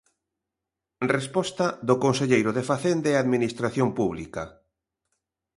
Resposta do conselleiro de Facenda e Administración Pública.